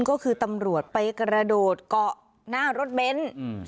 ก็คือตำรวจไปกระโดดเกาะหน้ารถเบนท์